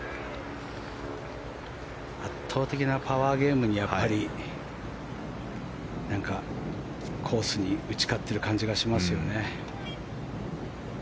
圧倒的なパワーゲームにコースに打ち勝っている感じがしますよね。